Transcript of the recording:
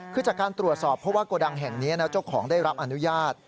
คือจากการตรวจสอบเพราะว่าโกดังแห่งนี้นะเจ้าของได้รับอนุญาต